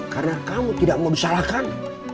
karena kamu tidak mau disalahkan